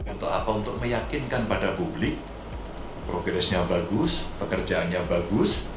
untuk apa untuk meyakinkan pada publik progresnya bagus pekerjaannya bagus